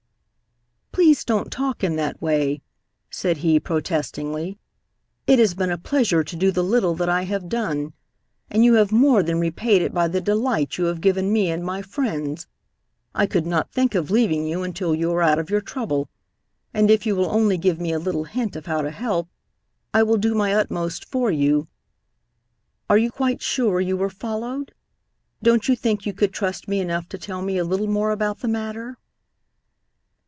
"Please don't talk in that way," said he protestingly. "It has been a pleasure to do the little that I have done, and you have more than repaid it by the delight you have given me and my friends. I could not think of leaving you until you are out of your trouble, and if you will only give me a little hint of how to help, I will do my utmost for you. Are you quite sure you were followed? Don't you think you could trust me enough to tell me a little more about the matter?"